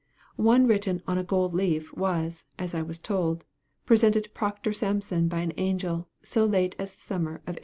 One written on a gold leaf, was (as I was told) presented to Proctor Sampson by an angel, so late as the summer of 1841.